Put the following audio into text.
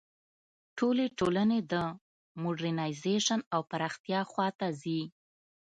ټولې ټولنې د موډرنیزېشن او پراختیا خوا ته ځي.